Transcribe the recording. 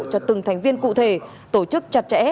cho từng thành viên cụ thể tổ chức chặt chẽ